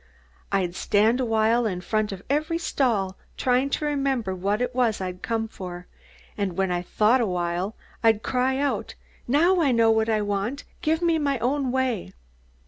I'd stand awhile in front of every stall, trying to remember what it was I'd come for, and when I'd thought awhile I'd cry out, 'Now I know what I want, give me my own way.